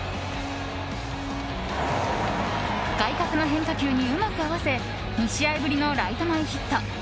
外角の変化球にうまく合わせ２試合ぶりのライト前ヒット。